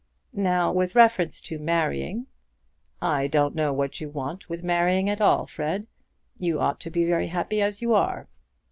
"Now, with reference to marrying " "I don't know what you want with marrying at all, Fred. You ought to be very happy as you are.